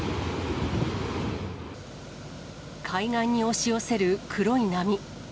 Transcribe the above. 海岸に押し寄せる黒い波。